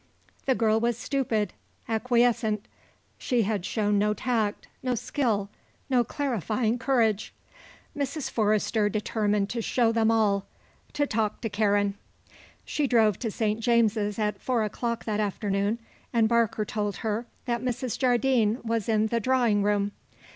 The girl was stupid, acquiescent; she had shown no tact, no skill, no clarifying courage. Mrs. Forrester determined to show them all to talk to Karen. She drove to St. James's at four o'clock that afternoon and Barker told her that Mrs. Jardine was in the drawing room.